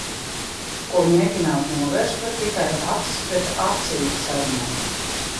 Ko mēģināt novērst var tikai "acis pret acīm" sarunā.